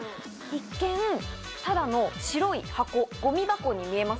一見ただの白い箱ゴミ箱に見えますよね。